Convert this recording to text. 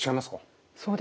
そうですね。